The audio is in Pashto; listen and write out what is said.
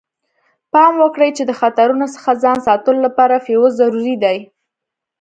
پام وکړئ چې د خطرونو څخه ځان ساتلو لپاره فیوز ضروري دی.